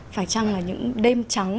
phải chăng là những đêm trắng